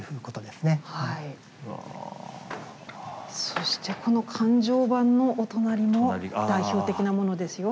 そしてこの「灌頂幡」のお隣の代表的なものですよ。